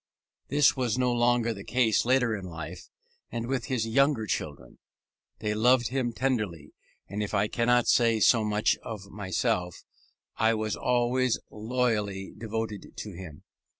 This was no longer the case later in life, and with his younger children. They loved him tenderly: and if I cannot say so much of myself, I was always loyally devoted to him.